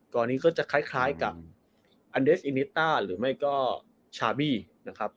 กรณีก็จะคล้ายคล้ายกับอันเดชน์อิเนยต่าหรือไม่ก็ชามินะครับ